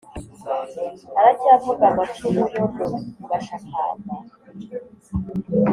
Aracyavuga amacumu yo mu Bashakamba